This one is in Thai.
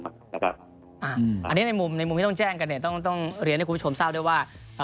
อันนี้ในมุมในมุมที่ต้องแจ้งกันเนี่ยต้องเรียนให้คุณผู้ชมทราบด้วยว่า